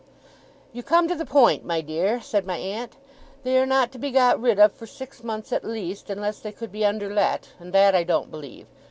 'You come to the point, my dear,' said my aunt. 'They are not to be got rid of, for six months at least, unless they could be underlet, and that I don't believe.